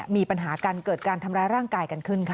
มีปัญหากันเกิดการทำร้ายร่างกายกันขึ้นค่ะ